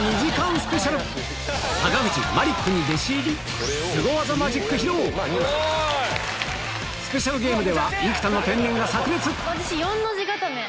スペシャルスペシャルゲームでは生田の天然が炸裂！